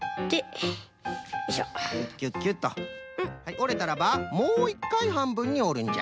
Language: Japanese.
おれたらばもう１かいはんぶんにおるんじゃ。